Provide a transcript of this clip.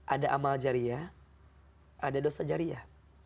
ada amal jariah ada dosa jariah